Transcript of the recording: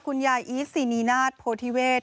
คุณยายอีซินีนาทโพธิเวท